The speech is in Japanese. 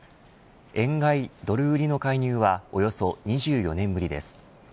円買いドル売りの介入はおよそ２４年ぶりです。